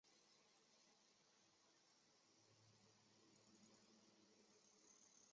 宫前天后宫的历史年代为清代。